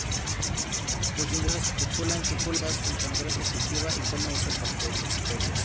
Los investigadores especulan que quizás el cangrejo cultiva y come esas bacterias.